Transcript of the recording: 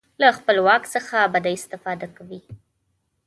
له خپل واک څخه بده استفاده کوي.